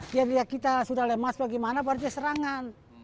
dia lihat kita sudah lemas bagaimana baru dia serangan